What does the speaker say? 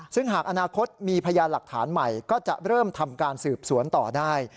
ซึ่งหากอนาคตมีพยานหลักฐานใหม่ก็จะเริ่มทำการสืบสวนต่อได้